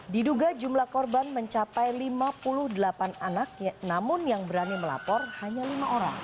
diduga jumlah korban mencapai lima puluh delapan anak namun yang berani melapor hanya lima orang